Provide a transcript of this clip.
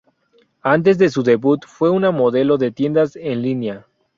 Antes de su debut, fue una modelo de tiendas en línea.